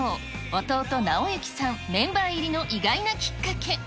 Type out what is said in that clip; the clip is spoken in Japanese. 弟、尚之さん、メンバー入りの意外なきっかけ。